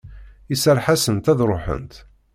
Iserreḥ-asent ad ruḥent.